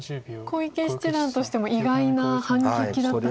小池七段としても意外な反撃だった。